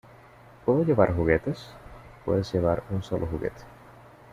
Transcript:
¿ Puedo llevar juguetes? Puedes llevar un sólo juguete.